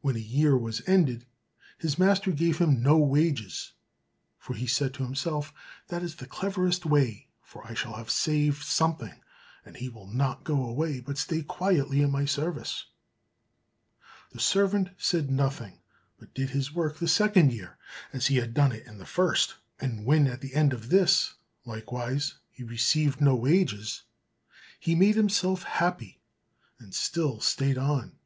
When a year was ended, his master gave him no wages, for he said to himself, "That is the cleverest way; for I shall save something, and he will not go away, but stay quietly in my service." The servant said nothing, but did his work the second year as he had done it the first; and when at the end of this, likewise, he received no wages, he made himself happy, and still stayed on.